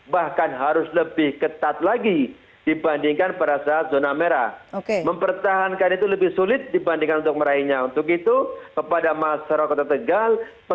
betul dalam diri saya pegawai karena pada saat itu yg baru aku pilih aing aing pada saat itu doang tiba tiba